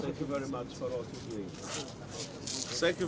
terima kasih banyak banyak